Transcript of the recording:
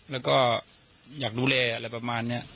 แล้วก็อยากดูแลอะไรประมาณนี้